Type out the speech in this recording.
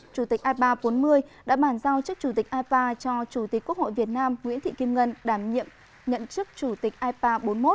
chủ tịch ipa bốn mươi đã bàn giao chức chủ tịch ipa cho chủ tịch quốc hội việt nam nguyễn thị kim ngân đảm nhiệm nhận chức chủ tịch ipa bốn mươi một